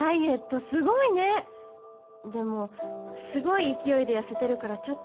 「でも凄い勢いで痩せてるからちょっと心配」